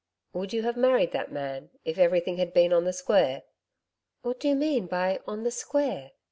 'Would you have married that man if everything had been on the square?' 'What do you mean by "on the square"?